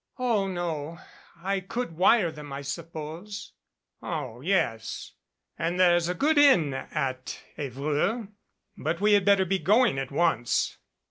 "Oh, no I could wire them, I suppose " "Oh, yes. And there's a good inn at Evreux. But we had better be going at once."